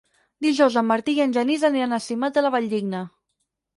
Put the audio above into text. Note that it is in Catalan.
Dijous en Martí i en Genís aniran a Simat de la Valldigna.